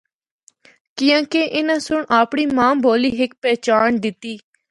کیانکہ اناں سنڑ اپنڑی ماں بولی ہک پہچانڑ دتی۔